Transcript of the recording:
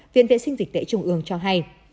viện vệ sinh dịch tễ trung ương cho hay